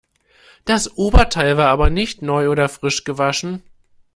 Das Oberteil war aber nicht neu oder frisch gewaschen.